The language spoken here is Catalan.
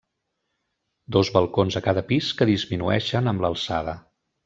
Dos balcons a cada pis que disminueixen amb l'alçada.